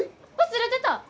忘れてた！